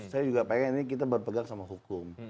saya juga pengen ini kita berpegang sama hukum